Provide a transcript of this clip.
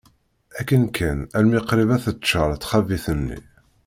Akken kan, almi qrib ad teččar txabit-nni.